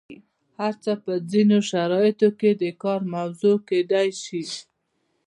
هر څه په ځینو شرایطو کې د کار موضوع کیدای شي.